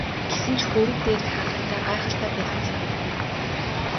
Гэсэн ч хөрөг дээрх хатагтай гайхалтай байсан санагдана.